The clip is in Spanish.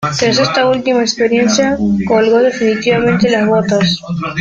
Tras esta última experiencia, colgó definitivamente las botas.